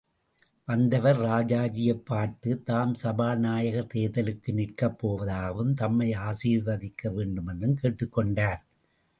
வந்தவர் ராஜாஜியைப்பார்த்து, தாம் சபாநாயகர் தேர்தலுக்கு நிற்கப் போவதாகவும் தம்மை ஆசீர்வதிக்க வேண்டுமென்றும் கேட்டுக் கொண்டார்.